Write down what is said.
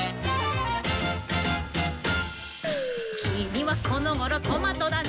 「きみはこのごろトマトだね」